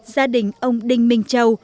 gia đình ông đinh minh châu